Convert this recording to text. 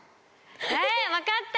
分かった！